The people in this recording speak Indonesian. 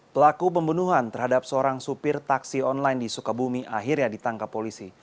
pelaku pembunuhan terhadap seorang supir taksi online di sukabumi akhirnya ditangkap polisi